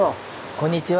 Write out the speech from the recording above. こんにちは。